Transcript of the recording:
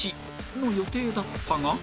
の予定だったが